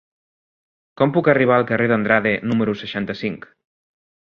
Com puc arribar al carrer d'Andrade número seixanta-cinc?